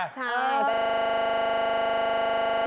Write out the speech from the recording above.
ใช่